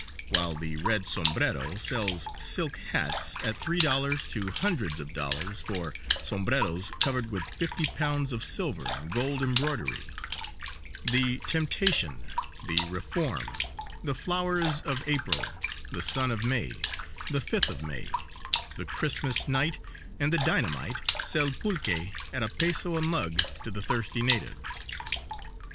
While the "Red Sombrero" sells silk hats at three dollars to hundreds of dollars for sombreros covered with fifty pounds of silver and gold embroidery, the "Temptation," the "Reform," the "Flowers of April," the "Sun of May," the "Fifth of May," the "Christmas Night" and the "Dynamite" sell pulque at a laco a mug to the thirsty natives.